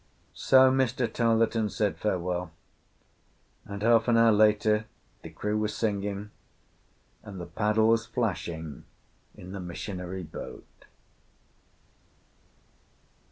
So Mr. Tarleton said farewell; and half an hour later the crew were singing and the paddles flashing in the missionary boat.